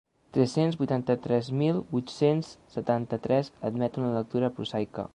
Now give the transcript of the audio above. Tres-cents vuitanta-tres mil vuit-cents setanta-tres- admet una lectura prosaica.